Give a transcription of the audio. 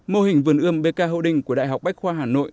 mô hình vườn ươm bk hậu đinh của đại học bách khoa hà nội